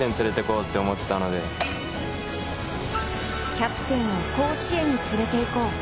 キャプテンを甲子園に連れて行こう。